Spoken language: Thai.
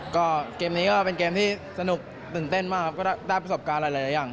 ก็เกมนี้ก็เป็นเกมที่สนุกตื่นเต้นมากครับก็ได้ประสบการณ์หลายอย่าง